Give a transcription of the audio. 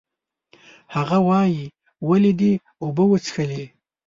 هغه وایي، ولې دې اوبه وڅښلې؟